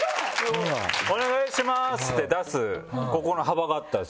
「お願いします」って出すここの幅があったんですよ。